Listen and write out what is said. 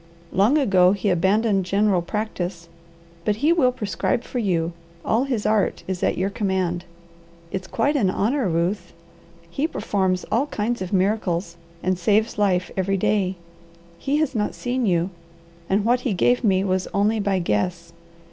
Long ago he abandoned general practice, but he will prescribe for you; all his art is at your command. It's quite an honour, Ruth. He performs all kinds of miracles, and saves life every day. He had not seen you, and what he gave me was only by guess.